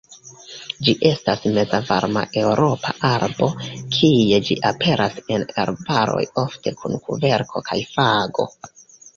Ĝi estas Mezvarma-Eŭropa arbo, kie ĝi aperas en arbaroj ofte kun kverko kaj fago.